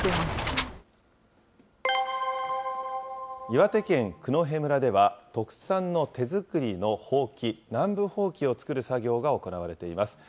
岩手県九戸村では、特産の手作りのほうき、南部ほうきを作る作業が行われています。